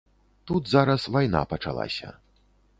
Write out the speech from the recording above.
Тут зараз вайна пачалася.